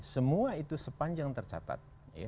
semua itu sepanjang tercatat